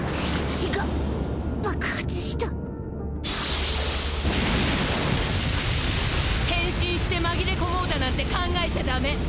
血が爆発した変身して紛れ込もうだなんて考えちゃダメ！